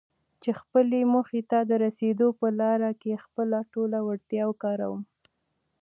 چې خپلې موخې ته د رسېدو په لاره کې خپله ټوله وړتيا وکاروم.